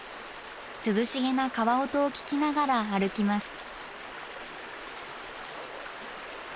涼しげな川音を聞きながら歩きます。